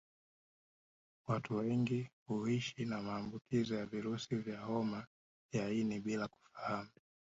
Watu wengi huishi na maambukizi ya virusi vya homa ya ini bila kufahamu